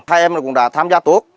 hai em cũng đã tham gia tốt